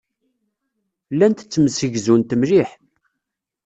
Llant ttemsegzunt mliḥ.